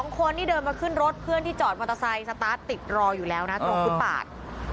๒คนที่เดินมาขึ้นรถเพื่อนที่จอดมอเตอร์ไซค์สตาร์ทติดรออยู่แล้วนะตรงฟุตปาด